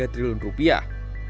tujuh tiga triliun rupiah